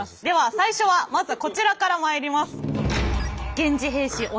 では最初はまずこちらからまいります。